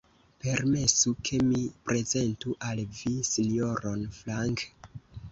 Permesu, ke mi prezentu al vi Sinjoron Frank.